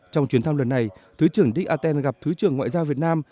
trong chuyến thăm lần này thứ trưởng dick archer gặp thứ trưởng ngoại giao việt nam